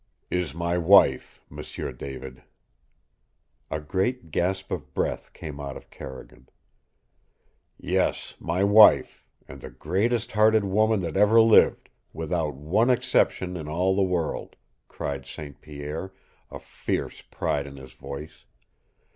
" Is my wife, M'sieu David." A great gasp of breath came out of Carrigan. "Yes, my wife, and the greatest hearted woman that ever lived, without one exception in all the world!" cried St. Pierre, a fierce pride in his voice.